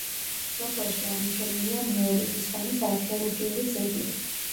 სოფელში აღმოჩენილია ნეოლითის ხანის არქეოლოგიური ძეგლი.